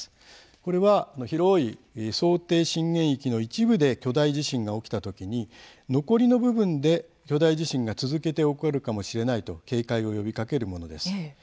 これは広い想定震源域の一部で巨大地震が起きた時に残りの部分で巨大地震が続けて起こるかもしれないと警戒を呼びかけるものです。